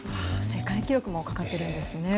世界記録もかかってるんですね。